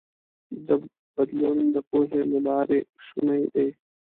دا بدلون د پوهې له لارې شونی دی.